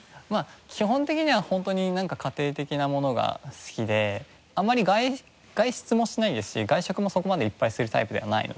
基本的にはホントに家庭的なものが好きであまり外出もしないですし外食もそこまでいっぱいするタイプではないので。